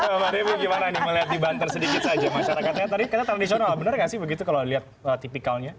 bapak demu gimana nih melihat di banten sedikit saja masyarakatnya tadi kata tradisional bener gak sih begitu kalau lihat tipikalnya